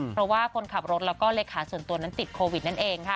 เพราะว่าคนขับรถแล้วก็เลขาส่วนตัวนั้นติดโควิดนั่นเองค่ะ